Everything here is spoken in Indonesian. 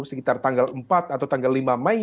sekitar tanggal empat atau tanggal lima mei